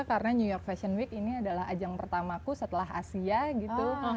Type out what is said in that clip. karena new york fashion week ini adalah ajang pertama ku setelah asia gitu